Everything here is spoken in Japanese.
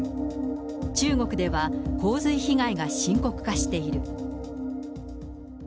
中国では、洪水被害が深刻化している。